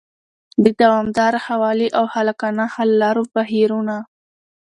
د دوامداره ښه والي او خلاقانه حل لارو بهیرونه